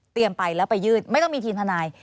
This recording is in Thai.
ไปแล้วไปยื่นไม่ต้องมีทีมทนาย